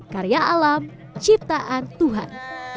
karya alam ciptaan tuhan